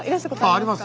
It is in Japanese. あります。